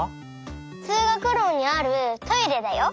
つうがくろにあるトイレだよ。